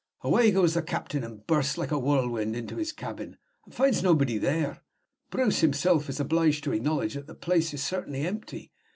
Away goes the captain, and bursts like a whirlwind into his cabin, and finds nobody there. Bruce himself is obliged to acknowledge that the place is certainly empty.